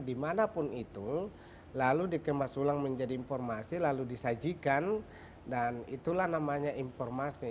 dimanapun itu lalu dikemas ulang menjadi informasi lalu disajikan dan itulah namanya informasi